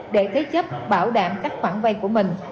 để thế chấp bảo đảm các khoản vay của mình